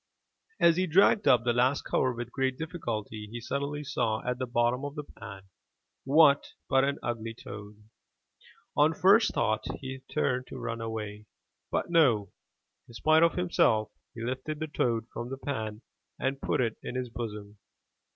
As he dragged up the last cover with great difficulty, he suddenly saw at the bottom of the pan, what but an ugly toad! On first thought, he turned to run away, but no! in spite of himself 386 THROUGH FAIRY HALLS MA.UD»MI3X\ PETERSHAM he lifted the toad fron the pan and put it in his bosom.